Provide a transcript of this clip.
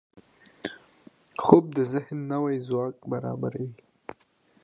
خوب د ذهن نوي ځواک برابروي